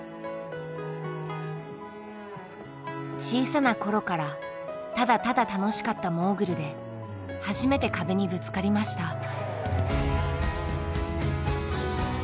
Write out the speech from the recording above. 小さな頃からただただ楽しかったモーグルで初めて壁にぶつかりました。